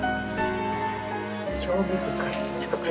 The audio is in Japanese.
興味深い。